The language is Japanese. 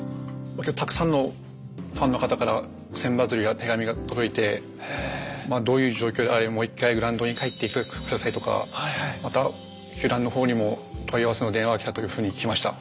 たくさんのファンの方から千羽鶴や手紙が届いてまあどういう状況であれもう一回また球団の方にも問い合わせの電話がきたというふうに聞きました。